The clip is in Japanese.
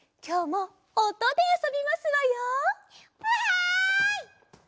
きょうもおとであそびますわよ。わい！